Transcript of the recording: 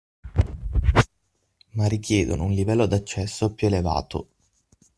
Ma richiedono un livello d’accesso più elevato